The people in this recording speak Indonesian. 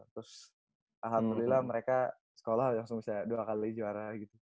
terus alhamdulillah mereka sekolah langsung bisa dua kali juara gitu